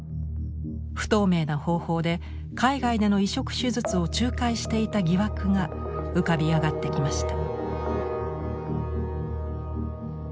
不透明な方法で海外での移植手術を仲介していた疑惑が浮かび上がってきました。